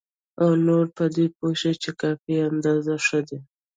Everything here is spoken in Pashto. او نور په دې پوه شي چې کافي اندازه ښه دي.